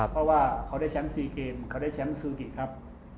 เพราะว่าเขาได้แชมป์๔เกมเขาได้แชมป์ซูกิครับ